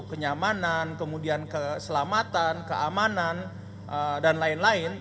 kenyamanan kemudian keselamatan keamanan dan lain lain